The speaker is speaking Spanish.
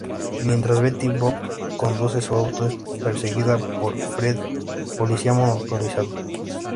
Mientras Betty Boop conduce su auto, es perseguida por Fred, policía motorizado.